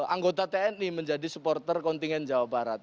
anggota tni menjadi supporter kontingen jawa barat